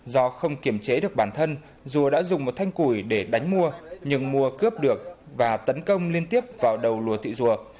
do không kiểm chế được bản thân dùa đã dùng một thanh củi để đánh mùa nhưng mùa cướp được và tấn công liên tiếp vào đầu lùa thị dùa